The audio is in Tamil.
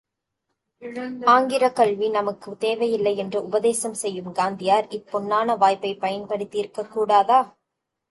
ஆங்கிலக் கல்வி நமக்குத் தேவையில்லை என்று உபதேசம் செய்யும் காந்தியார், இப் பொன்னான வாய்ப்பைப் பயன்படுத்தியிருக்கக் கூடாதா?